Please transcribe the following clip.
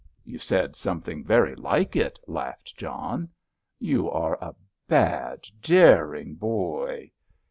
"You said something very like it!" laughed John. "You are a bad, daring boy."